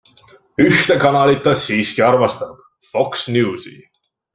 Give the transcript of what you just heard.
Ühte kanalit ta siiski armastab - Fox Newsi.